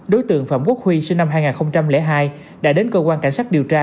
đối tượng phạm quốc huy sinh năm hai nghìn hai đã đến cơ quan cảnh sát điều tra